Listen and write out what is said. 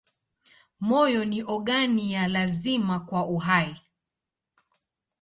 Moyo ni ogani ya lazima kwa uhai.